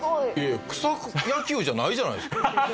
いや草野球じゃないじゃないですか。